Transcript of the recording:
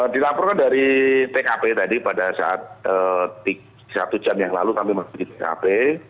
dilaporkan dari tkp tadi pada saat satu jam yang lalu kami masih di tkp